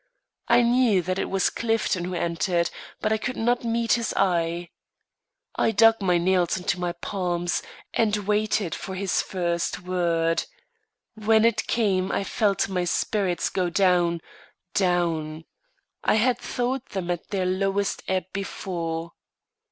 I knew that it was Clifton who entered, but I could not meet his eye. I dug my nails into my palms, and waited for his first word. When it came, I felt my spirits go down, down I had thought them at their lowest ebb before.